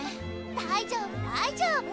大丈夫大丈夫。